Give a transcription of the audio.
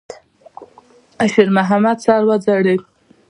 د شېرمحمد سر وځړېد.